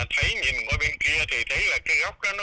thấy nhìn qua bên kia thì thấy là cái góc đó nó cũng đẹp